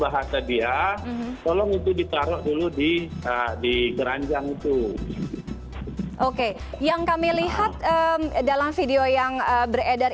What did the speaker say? bahasa dia tolong itu ditaruh dulu di di keranjang itu oke yang kami lihat dalam video yang beredar